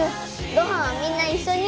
ごはんはみんな一緒に！